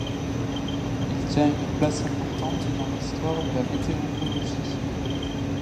Il tient une place importante dans l'histoire de la météorologie.